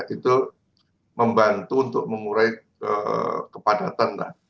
itu membantu untuk mengurai kepadatan